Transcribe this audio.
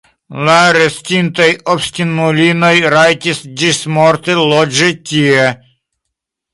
La restintaj obstinulinoj rajtis ĝismorte loĝi tie.